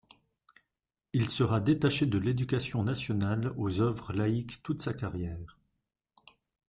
Il sera détaché de l'Éducation Nationale aux œuvres laïques toute sa carrière.